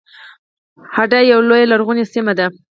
هډه یوه لویه لرغونې سیمه ده